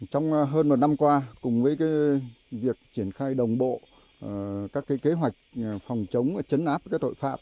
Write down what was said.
trong hơn một năm qua cùng với việc triển khai đồng bộ các kế hoạch phòng chống chấn áp tội phạm